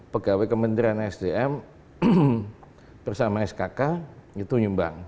pegawai kementerian sdm bersama skk itu nyumbang